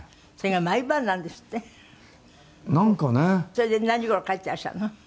「それで何時頃帰ってらっしゃるの？」